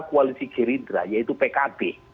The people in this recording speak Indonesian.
koalisi gerindra yaitu pkb